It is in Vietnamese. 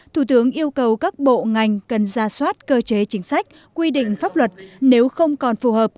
thủ tướng yêu cầu các bộ ngành cần ra soát cơ chế chính sách quy định pháp luật nếu không còn phù hợp